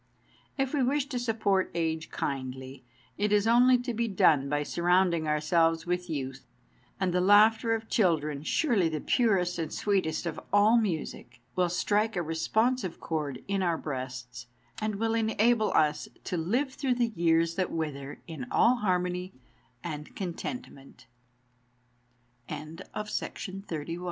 If we wish to support age kindly, it is only to be done by surrounding ourselves with youth. And the laughter of children, surely the purest and sweetest of all music, 230 THE DAY BEFORE YESTERDAY will strike a responsive chord in our breasts, and will enable us to live through the years that wither, in all harmony and contentm